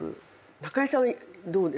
中居さんはどうですか？